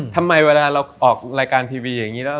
ทำไมเวลาเราออกรายการทีวีอย่างนี้แล้ว